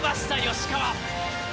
吉川。